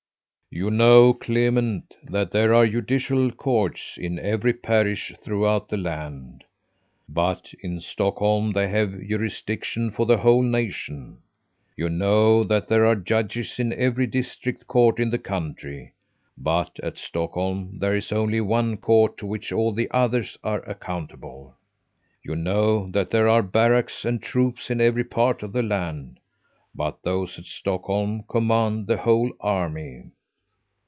"You know, Clement, that there are judicial courts in every parish throughout the land, but in Stockholm they have jurisdiction for the whole nation. You know that there are judges in every district court in the country, but at Stockholm there is only one court, to which all the others are accountable. You know that there are barracks and troops in every part of the land, but those at Stockholm command the whole army.